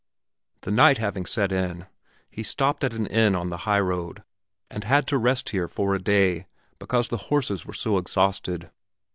The night having set in, he stopped at an inn on the highroad, and had to rest here for a day because the horses were so exhausted.